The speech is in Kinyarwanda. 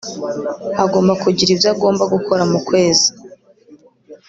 agomba kugira ibyo agomba gukora mu kwezi